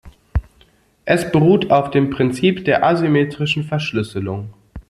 Es beruht auf dem Prinzip der asymmetrischen Verschlüsselung.